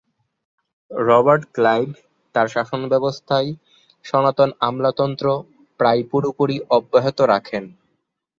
Robert Clive তাঁর শাসনব্যবস্থায় সনাতন আমলাতন্ত্র প্রায় পুরোপুরি অব্যাহত রাখেন।